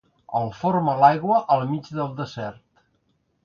El forma l'aigua al mig del desert.